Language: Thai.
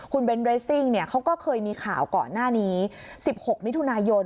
คุณเบนเรสซิ่งเขาก็เคยมีข่าวก่อนหน้านี้๑๖มิถุนายน